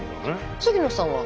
杉野さんは？